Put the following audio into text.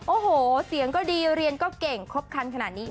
โอ้โหเสียงก็ดีเรียนก็เก่งครบคันขนาดนี้